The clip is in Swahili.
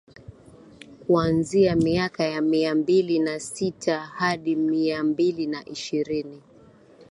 Kuanzia miaka ya mia mbili na sita hadi mia mbili na ishirini